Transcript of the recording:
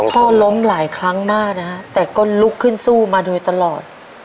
ล้มหลายครั้งมากนะฮะแต่ก็ลุกขึ้นสู้มาโดยตลอด